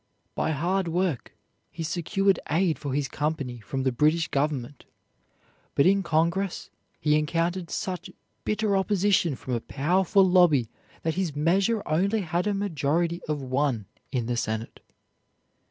By hard work he secured aid for his company from the British government, but in Congress he encountered such bitter opposition from a powerful lobby that his measure only had a majority of one in the Senate.